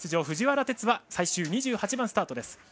藤原哲は最終の２８番スタート。